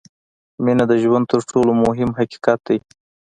• مینه د ژوند تر ټولو مهم حقیقت دی.